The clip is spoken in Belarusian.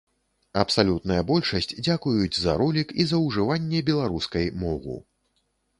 Абсалютная большасць дзякуюць за ролік і за ўжыванне беларускай мову.